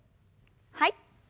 はい。